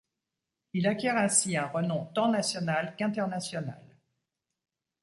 Il acquiert ainsi un renom tant national qu'internationnal.